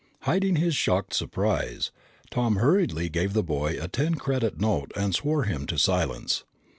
Hiding his shocked surprise, Tom hurriedly gave the boy a ten credit note and swore him to silence.